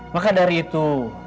maka dari itu